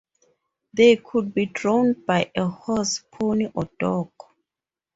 They could be drawn by a horse, pony or dog.